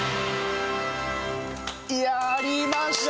やりました！